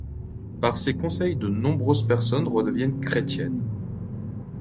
Par ses conseils de nombreuses personnes redeviennent chrétiennes.